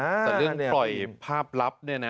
แต่เรื่องปล่อยภาพลับเนี่ยนะ